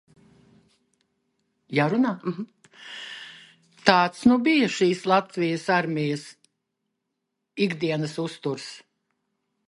Tāds nu bija šis Latvijas armijas ikdienas uzturs.